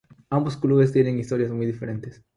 Ambos clubes tienen historias muy diferentes.